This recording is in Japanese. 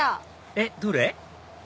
えっどれ？